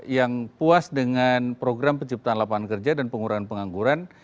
yang puas dengan program penciptaan lapangan kerja dan pengurangan pengangguran